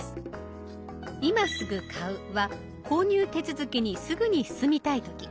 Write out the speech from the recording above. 「今すぐ買う」は購入手続きにすぐに進みたい時。